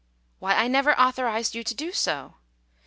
" Why, I never authorized you to do so."